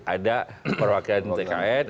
ada perwakilan tkn